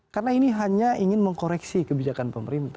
karena ini hanya ingin mengkoreksi kebijakan pemerintah